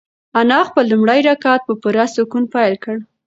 انا خپل لومړی رکعت په پوره سکون پیل کړ.